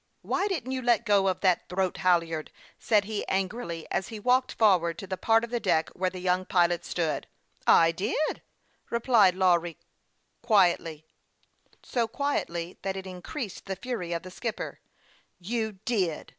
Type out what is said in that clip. " Why didn't you let go that throat halyard ?" said he, angrily, as he walked forward to the part of the deck where the young pilot stood. " I did," replied Lawry, quietly so quietly that it increased the fury of the skipper. " You did